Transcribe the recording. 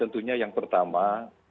tentunya yang pertama